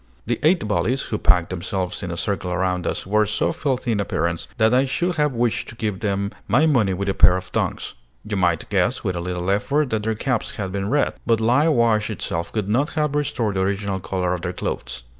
The eight bullies, who packed themselves in a circle around us, were so filthy in appearance that I should have wished to give them my money with a pair of tongs. You might guess, with a little effort, that their caps had been red; but lye wash itself could not have restored the original color of their clothes.